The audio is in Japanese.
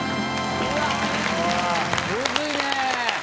むずいね。